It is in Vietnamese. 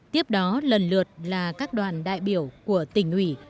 tiếp đó lần lượt là các đoàn đại biểu của tỉnh ủy